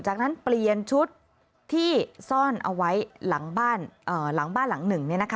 จากนั้นเปลี่ยนชุดที่ซ่อนเอาไว้หลังบ้านหลังบ้านหลังหนึ่ง